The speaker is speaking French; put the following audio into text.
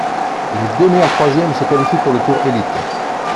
Les deux meilleurs troisièmes se qualifient pour le Tour Élite.